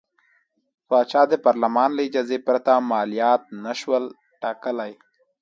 پاچا د پارلمان له اجازې پرته مالیات نه شوای ټاکلی.